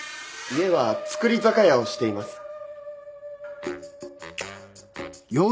家は造り酒屋をしています。